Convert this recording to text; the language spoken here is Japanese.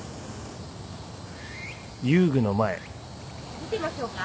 見てましょうか？